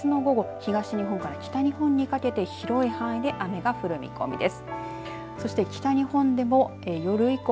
東日本から北日本にかけて広い範囲で雨が降る見込みです。